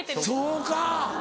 そうか。